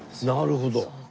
なるほど！